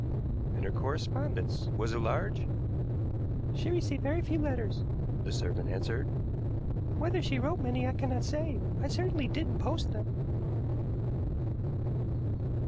"And her correspondence was it large?" "She received very few letters," the servant answered; "whether she wrote many, I cannot say. I certainly didn't post them."